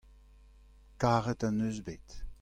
karet en deus bet.